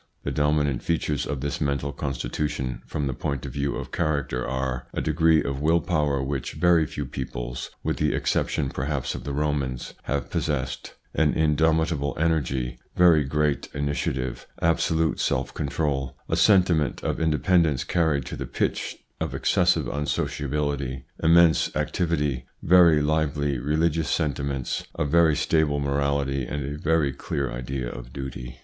The dominant features of this mental constitution from the point of view of character are : a degree of will power which very few peoples, with the exception perhaps of the Romans, have possessed, an indomit able energy, very great initiative, absolute self control, a sentiment of independence carried to the pitch of excessive unsociability, immense activity, very lively religious sentiments, a very stable morality, and a very clear idea of duty.